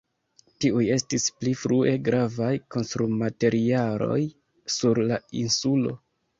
Tiuj estis pli frue gravaj konstrumaterialoj sur la insulo.